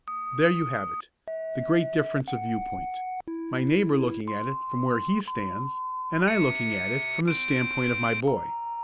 There you have it the great difference of viewpoint: my neighbour looking at it from where he stands and I looking at it from the standpoint of my boy.